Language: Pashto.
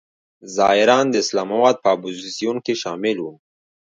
ظاهراً د اسلام آباد په اپوزیسیون کې شامل و.